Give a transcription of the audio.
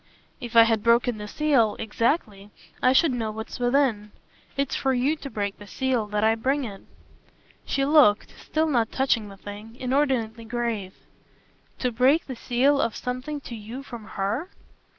"If I had broken the seal exactly I should know what's within. It's for YOU to break the seal that I bring it." She looked still not touching the thing inordinately grave. "To break the seal of something to you from HER?"